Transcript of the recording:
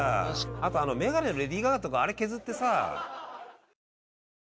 あとあのメガネのレディー・ガガとかあれ削ってさ。